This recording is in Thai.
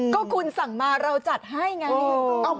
ก็คุณสั่งมาเราจัดให้ไง